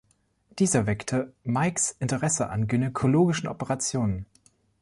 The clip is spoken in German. Dieser weckte Meigs' Interesse an gynäkologischen Operationen.